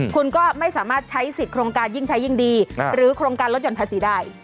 คุณก็ไม่สามารถใช้สิทธิ์โครงการยิ่งใช้ยิ่งดีหรือโครงการลดห่อนภาษีได้